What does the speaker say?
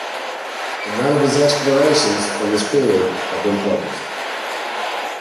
None of his explorations from this period have been published.